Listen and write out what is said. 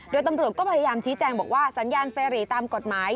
โดยตำรวจก็พยายามชี้แจงบอกว่าสัญญาณเฟรี่ตามกฎหมาย